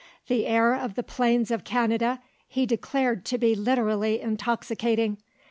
The air of the plains of Canada he declared to be literally intoxicating.